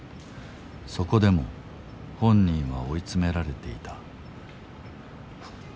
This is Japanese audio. そこでも本人は追い詰められていた。